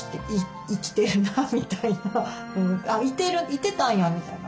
いてたんやみたいな。